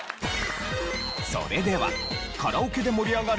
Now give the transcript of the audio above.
それではカラオケで盛り上がる